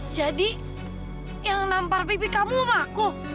jadi yang nampar pipi kamu emakku